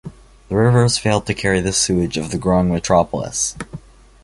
The rivers failed to carry the sewage of the growing metropolis.